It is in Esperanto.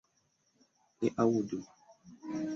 Li aŭdu!